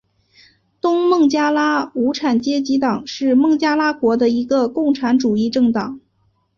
东孟加拉无产阶级党是孟加拉国的一个共产主义政党。